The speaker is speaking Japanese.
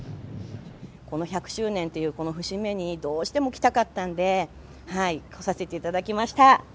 この１００周年というこの節目に、どうしても来たかったんで、来させていただきました。